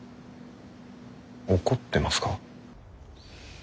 怒ってますか？